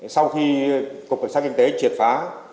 sau khi cục cảnh sát kinh tế triệt phá